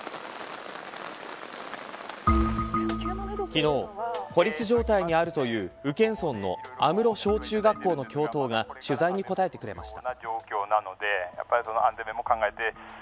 昨日、孤立状態にあるという宇検村の阿室小中学校の教頭が取材に答えてくれました。